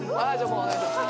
もうお願いします